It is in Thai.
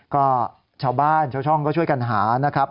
ก็ชาวบ้านชาวช่องก็ช่วยกันหานะครับ